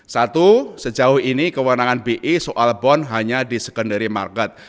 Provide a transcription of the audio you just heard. satu sejauh ini kewenangan bi soal bond hanya di secondary market